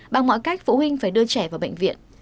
bằng mọi cách phụ huynh phải đưa trẻ vào bệnh viện